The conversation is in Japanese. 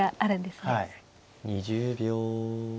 ２０秒。